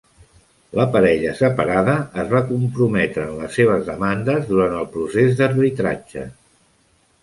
La parella separada es va comprometre en les seves demandes durant el procés d'arbitratge.